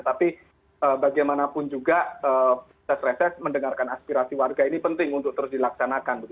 tapi bagaimanapun juga reses reses mendengarkan aspirasi warga ini penting untuk terus dilaksanakan